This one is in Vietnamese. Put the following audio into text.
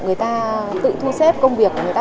người ta tự thu xếp công việc của người ta